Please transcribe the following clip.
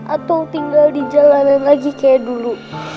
atau tinggal di jalanan lagi kayak dulu